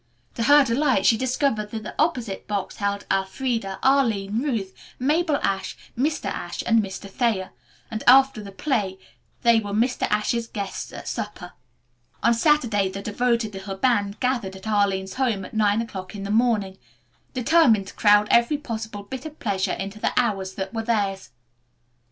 To her delight she discovered that the opposite box held Elfreda, Arline, Ruth, Mabel Ashe, Mr. Ashe and Mr. Thayer, and after the play they were Mr. Ashe's guests at supper. On Saturday the devoted little band gathered at Arline's home at nine o'clock in the morning, determined to crowd every possible bit of pleasure into the hours that were theirs.